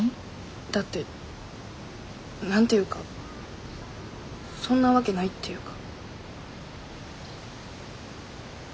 だって何て言うかそんなわけないっていうか。